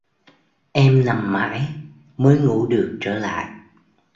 Em nằm mãi mới ngủ được trở lại